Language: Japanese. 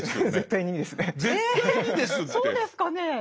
えそうですかね？